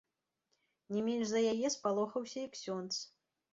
Не менш за яе спалохаўся і ксёндз.